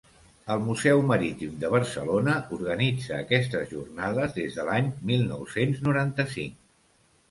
El Museu Marítim de Barcelona organitza aquestes jornades des de l'any mil nou-cents noranta-cinc.